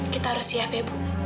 kita harus siap ya bu